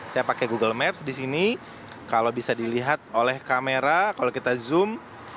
saya pakai google maps di sini kalau bisa dilihat oleh kamera kalau kita zoom